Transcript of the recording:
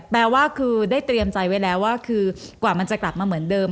แปลว่าคือได้เตรียมใจไว้แล้วว่าคือกว่ามันจะกลับมาเหมือนเดิม